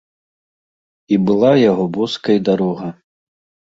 І была яго боскай дарога.